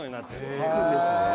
くっつくんですね。